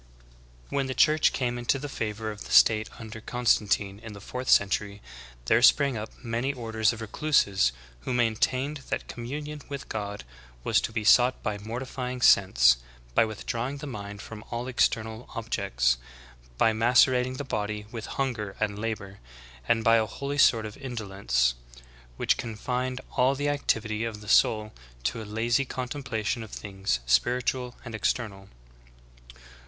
"^' 24. When the Church came into the favor of the state un der Constantine in the fourth century, there sprang up many orders of recluses who ''maintained that communion with God was to be sought by mortifying sense, by withdrawing the mind from all external objects, by macerating the body with hunger and labor, and by a holy sort of indolence, which confined all the activity of the soul to a lazy contem plation of things spiritual and external."